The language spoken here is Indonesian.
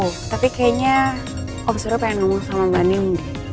oh tapi kayaknya om suran pengen nunggu sama mbak nin